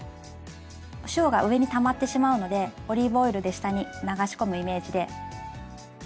お塩が上にたまってしまうのでオリーブオイルで下に流し込むイメージで。